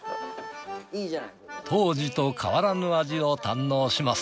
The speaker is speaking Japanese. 当時と変わらぬ味を堪能します。